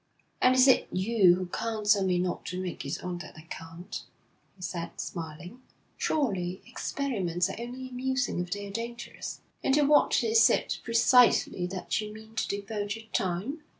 'And is it you who counsel me not to make it on that account?' he said, smiling. 'Surely experiments are only amusing if they're dangerous.' 'And to what is it precisely that you mean to devote your time?'